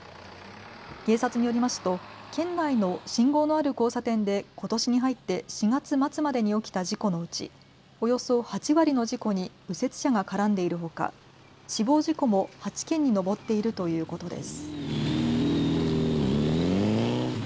警察によりますと県内の信号のある交差点でことしに入って４月末までに起きた事故のうちおよそ８割の事故に右折車が絡んでいるほか死亡事故も８件に上っているということです。